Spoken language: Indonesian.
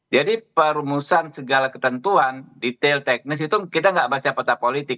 jadi perumusan segala ketentuan detail teknis itu kita nggak baca peta politik